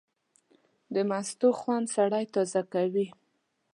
د مستو خوند سړی تازه کوي.